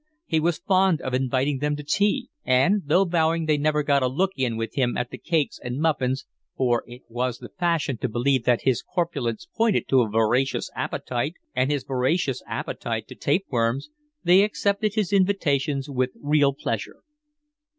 He was fond of inviting them to tea; and, though vowing they never got a look in with him at the cakes and muffins, for it was the fashion to believe that his corpulence pointed to a voracious appetite, and his voracious appetite to tapeworms, they accepted his invitations with real pleasure.